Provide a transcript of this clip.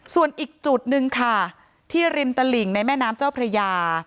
ส่วนอีกจุดหนึ่งค่ะที่ริมตลิ่งในแม่น้ำเจ้าพระยา